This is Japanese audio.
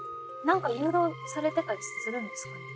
何か誘導されてたりするんですかね？